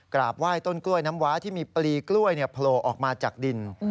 กราบไหว้ต้นกล้วยน้ำว้าที่มีปลีกล้วยโผล่ออกมาจากดิน